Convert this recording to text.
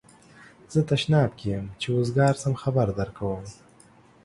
زه تشناب کی یم چی اوزګار شم خبر درکوم